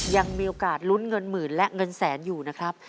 ยังมีโอกาสลุ้นเงินหมื่นและเงินแสนอยู่นะครับ